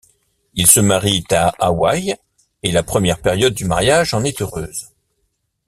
Ils se marient à Hawaï et la première période du mariage en est heureuse.